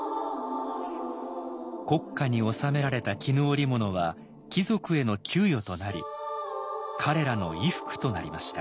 国家に納められた絹織物は貴族への給与となり彼らの衣服となりました。